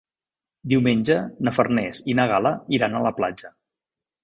Diumenge na Farners i na Gal·la iran a la platja.